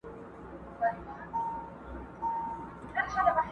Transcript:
هر مشکل ته پیدا کېږي یوه لاره!.